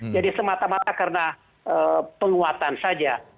jadi semata mata karena penguatan saja